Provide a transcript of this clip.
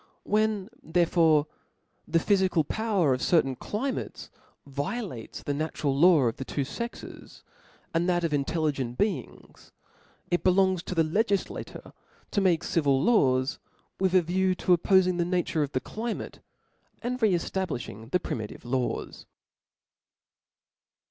When therefore the phyfical power of certain cli mates violates the natural law of the two fcxes, and that of intelligent beings ; it belongs to the legif latureto make civil laws, with a view of oppol^ng the nature of the climate, and re eflablilhing the primitive laws.